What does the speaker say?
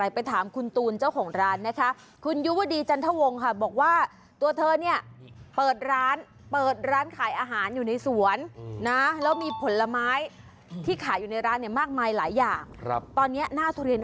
ภาคตะวันออกเนี่ยแหละทุเรียนสวย